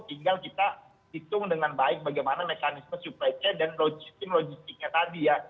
tinggal kita hitung dengan baik bagaimana mekanisme supply chain dan logistiknya tadi ya